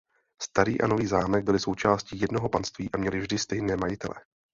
Starý a Nový zámek byly součástí jednoho panství a měly vždy stejné majitele.